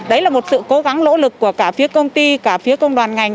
đấy là một sự cố gắng lỗ lực của cả phía công ty cả phía công đoàn ngành